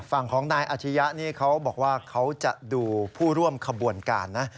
ฝั่งของนายอาชียะนี่เขาบอกว่าเขาจะดูผู้ร่วมขบวนการนะ